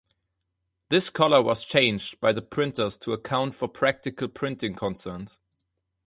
This color was changed by the printers to account for practical printing concerns.